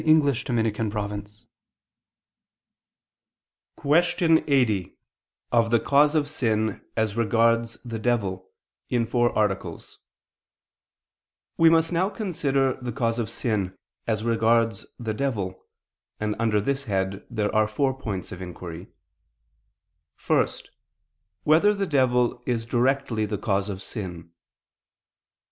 ________________________ QUESTION 80 OF THE CAUSE OF SIN, AS REGARDS THE DEVIL (In Four Articles) We must now consider the cause of sin, as regards the devil; and under this head there are four points of inquiry: (1) Whether the devil is directly the cause of sin?